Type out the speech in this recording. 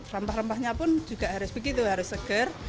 rempah rempahnya pun juga harus begitu harus segar